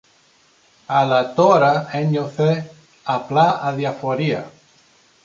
αλλά τώρα ένιωθε απλά αδιαφορία